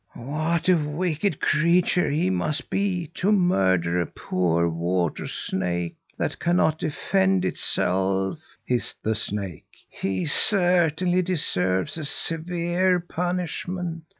"What a wicked creature he must be to murder a poor water snake that cannot defend itself!" hissed the snake. "He certainly deserves a severe punishment.